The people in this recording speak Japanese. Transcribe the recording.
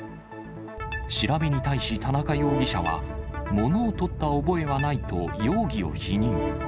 調べに対し田中容疑者は、物をとった覚えはないと、容疑を否認。